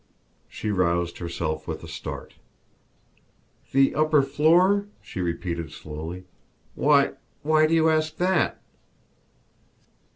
She roused herself with a start. "The upper floor?" she repeated slowly. "Why why do you ask that?"